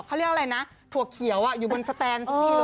เขาเรียกอะไรนะถั่วเขียวอยู่บนสแตน